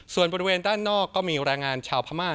ส่วนบริเวณด้านนอกก็มีแรงงานชาวพม่า